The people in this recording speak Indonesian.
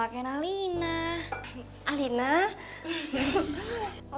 baik dong bunda